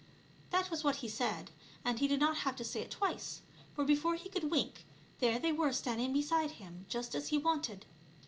That was what he said, and he did not have to say it twice ; for before he could wink there they were standing beside him just as he wanted.